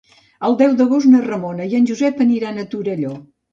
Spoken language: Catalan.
El deu d'agost na Ramona i en Josep aniran a Torelló.